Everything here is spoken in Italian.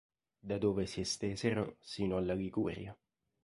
Da dove si estesero sino alla Liguria.